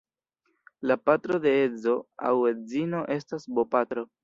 La patro de edzo aŭ edzino estas bopatro.